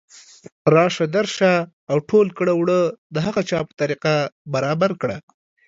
راشه درشه او او ټول کړه وړه د هغه چا په طریقه برابر کړه